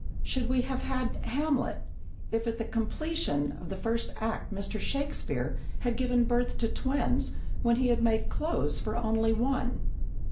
Should we have had Hamlet, if at the completion of the first act Mr. Shakespeare had given birth to twins, when he had made clothes for only one?